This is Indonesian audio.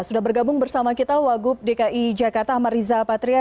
sudah bergabung bersama kita wagub dki jakarta ahmad riza patria